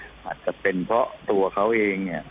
อาจจะเป็นเพราะตัวเขาเองเนี่ย